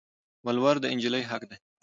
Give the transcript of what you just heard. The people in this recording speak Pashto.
ولوړ د انجلی حق دي